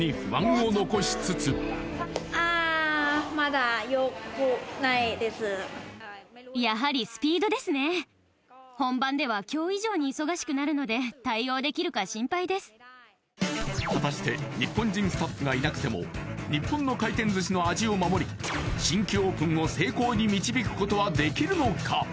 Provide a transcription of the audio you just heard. あ果たして日本人スタッフがいなくても日本の回転寿司の味を守り新規オープンを成功に導くことはできるのか